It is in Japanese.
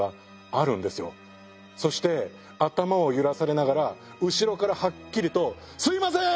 そして頭を揺らされながら後ろからはっきりと「すいません！